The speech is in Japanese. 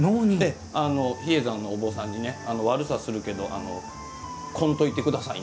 比叡山のお坊さんに悪さするけどこんといてください